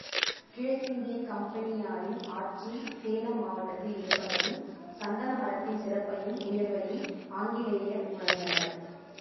கிழக்கிந்தியக் கம்பெனியாரின் ஆட்சி சேலம் மாவட்டத்தில் ஏற்பட்டதும், சந்தன மரத்தின் சிறப்பையும், உயர்வையும் ஆங்கிலேயர் உணர்ந்தனர்.